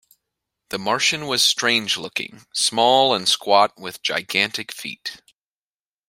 The Martian was strange-looking: small and squat with gigantic feet.